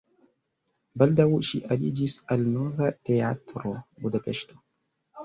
Baldaŭ ŝi aliĝis al Nova Teatro (Budapeŝto).